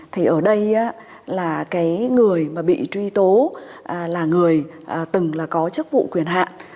thì ở đây là cái người mà bị truy tố là người từng là có chức vụ quyền hạn